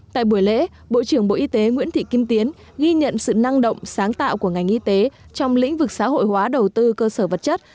tại buổi lễ bộ trưởng bộ y tế nguyễn thị kim tiến ghi nhận sự năng động sáng tạo của ngành y tế trong lĩnh vực xã hội hóa đầu tư cơ sở vật chất